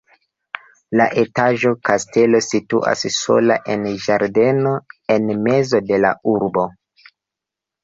La etaĝa kastelo situas sola en ĝardeno en mezo de la urbo.